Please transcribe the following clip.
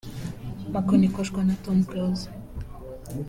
Mako Nikoshwa na Tom Close